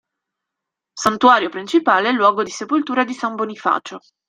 Santuario principale e luogo di sepoltura di San Bonifacio.